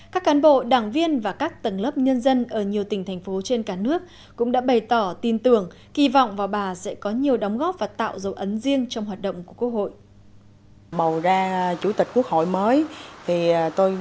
các cán bộ đảng viên và các tầng lớp nhân dân ở nhiều tỉnh thành phố trên cả nước cũng đã bày tỏ tin tưởng kỳ vọng vào bà sẽ có nhiều đóng góp và tạo dấu ấn riêng trong hoạt động của quốc hội